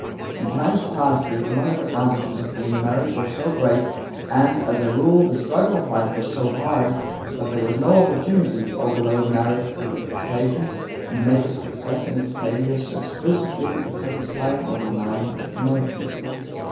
In times past the economic advantages of being married were so great and, as a rule, the struggle of life was so hard, that there was no opportunity to overload marriage with expectations and make its successes and its failures so exclusively the satisfying or denying of emotions.